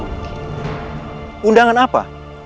untuk mengundang apa